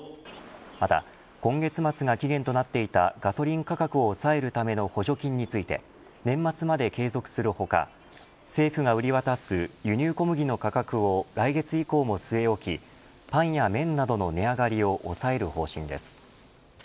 また、今月末が期限となっていたガソリン価格を抑えるための補助金について年末まで継続するほか政府が売り渡す輸入小麦の価格を来月以降も据え置きパンや麺などの値上がりを抑える方針です。